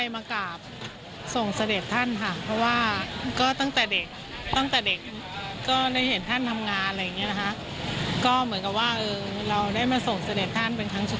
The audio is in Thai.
มาส่งเสด็จพระองค์ท่าน